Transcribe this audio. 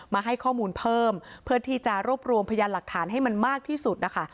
มาให้ข้อมูลเพิ่มเพื่อที่จะรวบรวมพยานหลักฐานให้มันมากที่สุดนะคะ